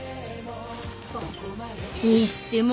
にしても